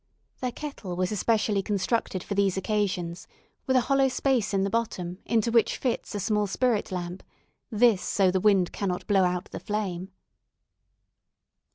Their kettle was especially constructed for these occasions with a hollow space in the bottom into which fits a small spirit lamp, this so the wind cannot blow out the flame.